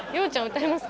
歌いますか？